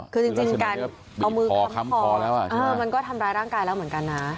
คือจริงการเอามือค้ำคอแล้วมันก็ทำร้ายร่างกายแล้วเหมือนกันนะ